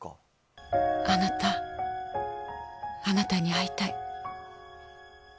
あなた、あなたに会いたい。